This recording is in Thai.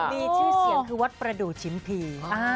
ดีชื่อเสียงคือวัตถุประดูชิมภีร์